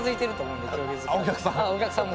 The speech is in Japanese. お客さん？